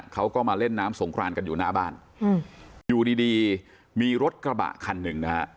เขาก็มาเล่นน้ำสงครานกันอยู่หน้าบ้านอยู่ดีดีมีรถกระบะคันหนึ่งนะฮะ